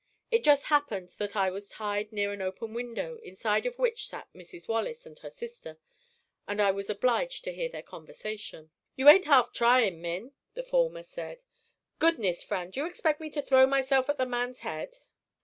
It just happened that I was tied near an open window inside of which sat Mrs. Wallace and her sister, and I was obliged to hear their conversation. "You ain't half trying, Min," the former said. "Goodness, Fan, do you expect me to throw myself at the man's head?